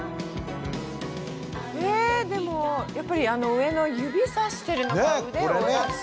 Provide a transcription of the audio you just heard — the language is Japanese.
えでもやっぱりあの上の指さしてるのか腕を出してる。